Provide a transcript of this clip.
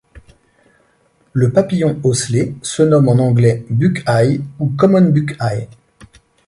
Le Papillon ocellé se nomme en anglais Buckeye ou Common Buckeye.